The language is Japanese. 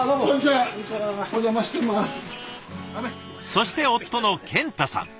そして夫の健太さん。